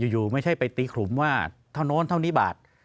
อยู่ไม่ใช่ไปตีขลุมว่าเท่านั้นเท่านี้บาท